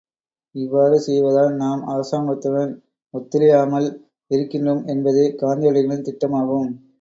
இவ்வாறு செய்வதால் நாம், அரசாங்கத்துடன் ஒத்துழையாமல் இருக்கின்றோம் என்பதே காந்தியடிகளின் திட்டமாகும்.